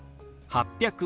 ８００。